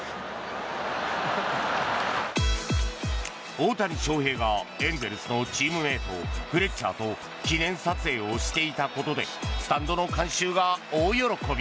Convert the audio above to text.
大谷翔平がエンゼルスのチームメートフレッチャーと記念写真をしていたことでスタンドの観衆が大喜び。